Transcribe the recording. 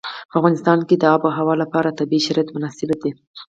په افغانستان کې د آب وهوا لپاره طبیعي شرایط مناسب دي.